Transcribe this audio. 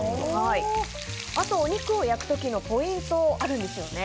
あと、お肉を焼く時のポイントがあるんですよね。